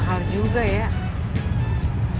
pasnya si rahma